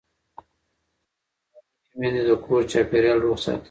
تعلیم لرونکې میندې د کور چاپېریال روغ ساتي.